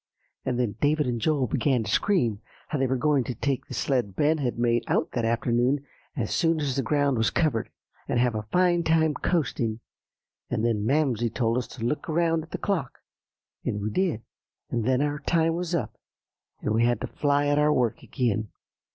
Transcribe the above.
"And then David and Joel began to scream how they were going to take the sled Ben had made, out that afternoon, as soon as the ground was covered, and have a fine time coasting; and then Mamsie told us to look around at the clock; and we did, and then our time was up, and we had to fly at our work again."